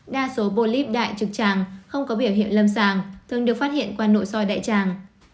đa số bô líp đại trực tràng không có biểu hiện lâm sàng thường được phát hiện qua nội soi đại tràng